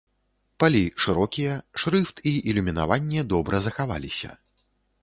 Палі шырокія, шрыфт і ілюмінаванне добра захаваліся.